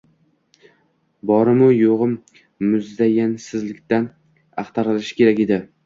Borimu yo’g’im muzayyansizlikdan axtarilishi kerak edi.